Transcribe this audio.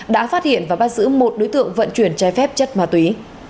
đã phát hiện và bắt giữ một đối tượng vận chuyển trái phép chất ma túy